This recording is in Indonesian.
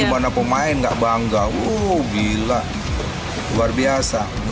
gimana pemain gak bangga uh gila luar biasa